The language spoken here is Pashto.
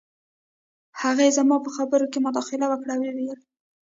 هغې زما په خبرو کې مداخله وکړه او وویې ویل